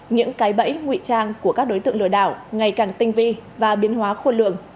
những cái bẫy nguy trang của các đối tượng lừa đảo ngày càng tinh vi và biến hóa khôn lượng